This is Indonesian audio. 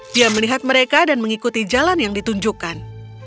dia melihat mereka dan mengikuti jalan yang ditunjukkan